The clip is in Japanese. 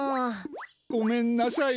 ごめんなさい。